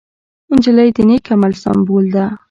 نجلۍ د نېک عمل سمبول ده.